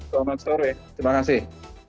selamat sore terima kasih